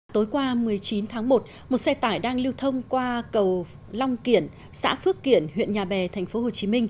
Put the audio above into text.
tối qua một mươi chín tháng một một xe tải đang lưu thông qua cầu long kiển xã phước kiển huyện nhà bè tp hcm